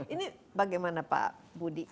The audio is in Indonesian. ini bagaimana pak budi